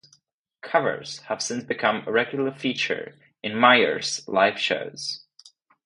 Covers have since become a regular feature in Mayer's live shows.